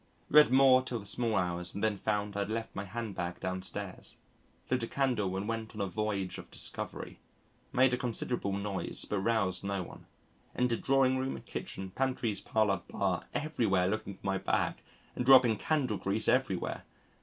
Read Moore till the small hours and then found I had left my handbag downstairs. Lit a candle and went on a voyage of discovery. Made a considerable noise, but roused no one. Entered drawing room, kitchen, pantries, parlour, bar everywhere looking for my bag and dropping candle grease everywhere!